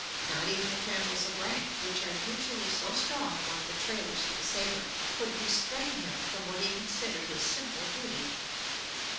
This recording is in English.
Not even the trammels of rank, which are usually so strong among the trailers of the saber, could restrain him from what he considered his simple duty.